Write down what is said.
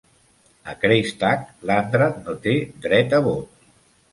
A Kreistag, Landrat no té dret a vot.